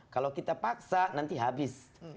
kalau kita paksa nanti habis